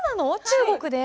中国で？